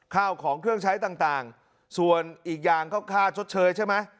ข้าวของเครื่องใช้ต่างส่วนอีกอย่างก็ค่าชดเชยใช่ไหม